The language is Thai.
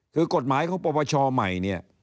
คือกฎหมายของปปชใหม่